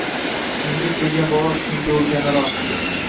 Menga kelgan balo shunga urgani rost